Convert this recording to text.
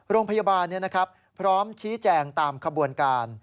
โรงพยาบาลพร้อมชี้แจงตามขบวนการ